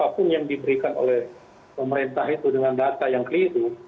apapun yang diberikan oleh pemerintah itu dengan data yang keliru